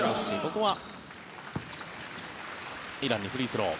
ここはイランにフリースロー。